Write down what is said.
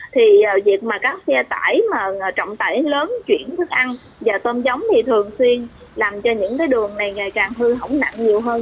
thì việc mà các xe tải mà trọng tải lớn chuyển thức ăn và tôm giống thì thường xuyên làm cho những cái đường này ngày càng hư hỏng nặng nhiều hơn